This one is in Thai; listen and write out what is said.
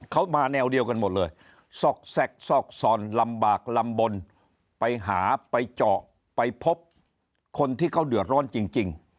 เขามาแนวเดียวกันหมดเลยซอกแทรกซอกซอนลำบากลำบลไปหาไปเจาะไปพบคนที่เขาเดือดร้อนจริง